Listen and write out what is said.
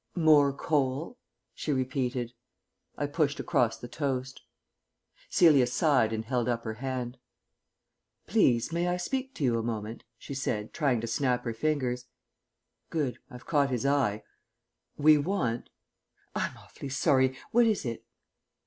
"More coal," she repeated. I pushed across the toast. Celia sighed and held up her hand. "Please may I speak to you a moment?" she said, trying to snap her fingers. "Good; I've caught his eye. We want " "I'm awfully sorry. What is it?"